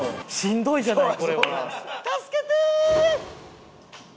助けてー！